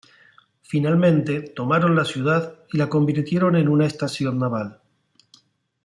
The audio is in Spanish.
Finalmente, tomaron la ciudad y la convirtieron en una estación naval.